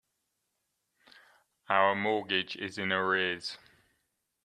Our mortgage is in arrears.